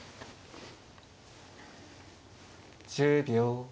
１０秒。